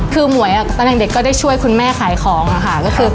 คือหมวยตอนเด็กก็ได้ช่วยคุณแม่ขายของค่ะ